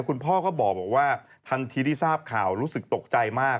คุณพ่อก็บอกว่าทันทีที่ทราบข่าวรู้สึกตกใจมาก